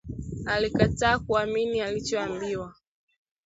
Alikataa kuamini alichoambiwa